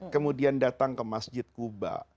kemudian datang ke masjid kuba